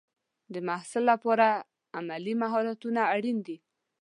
د محصل لپاره عملي مهارتونه اړین دي.